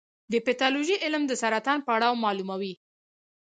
د پیتالوژي علم د سرطان پړاو معلوموي.